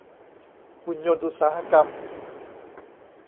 หุ่นยนต์อุตสาหกรรม